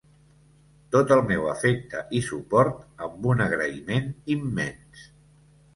Tot el meu afecte i suport, amb un agraïment immens!